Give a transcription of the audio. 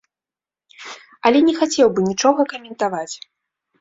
Але не хацеў бы нічога каментаваць.